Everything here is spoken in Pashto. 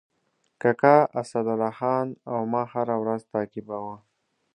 کاکا اسدالله خان او ما هره ورځ تعقیباوه.